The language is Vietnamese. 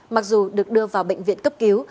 mặc dù được đưa vào bệnh viện cấp cứu